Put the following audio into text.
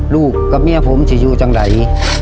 ลูกกับเมียผมจะอยู่จังไหน